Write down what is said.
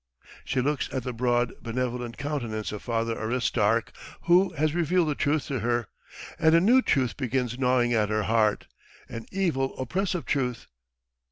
She looks at the broad, benevolent countenance of Father Aristark who has revealed the truth to her, and a new truth begins gnawing at her heart. An evil oppressive truth.